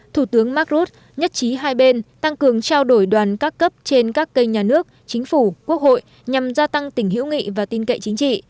thủ tướng mark rut nhất trí hai bên tăng cường trao đổi đoàn các cấp trên các kênh nhà nước chính phủ quốc hội nhằm gia tăng tỉnh hữu nghị và tin cậy chính trị